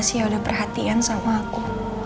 saya udah perhatian sama aku